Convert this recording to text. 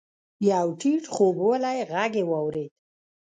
يو ټيټ خوبولی ږغ يې واورېد.